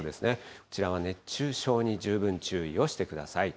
こちらは熱中症に十分注意をしてください。